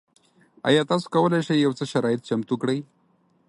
ایا تاسو کولی شئ یو څه شرایط چمتو کړئ؟